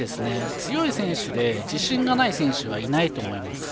強い選手で自信がない選手はいないと思います。